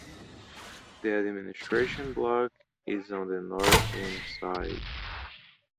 The administration block is on the northern side.